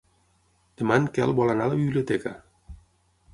Demà en Quel vol anar a la biblioteca.